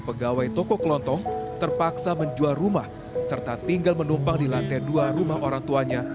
pegawai toko kelontong terpaksa menjual rumah serta tinggal menumpang di lantai dua rumah orang tuanya